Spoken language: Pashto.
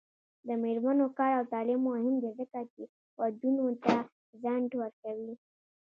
د میرمنو کار او تعلیم مهم دی ځکه چې ودونو ته ځنډ ورکوي.